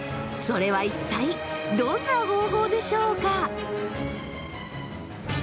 それは一体どんな方法でしょうか？